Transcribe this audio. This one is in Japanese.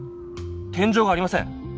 天じょうがありません。